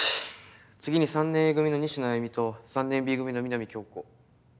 次に３年Ａ組の西野歩美と３年Ｂ組の南今日子。